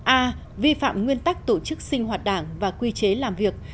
a vi phạm nguyên tắc tổ chức sinh hoạt đảng và quy chế làm việc